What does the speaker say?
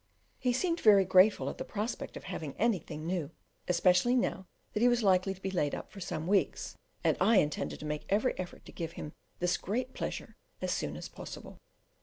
He seemed very grateful at the prospect of having anything new, especially now that he was likely to be laid up for some weeks, and I intend to make every effort to give him this great pleasure as soon as possible.